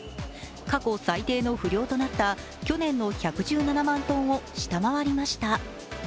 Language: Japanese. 過去最低の不漁となった去年の１１７万トンを下回りました。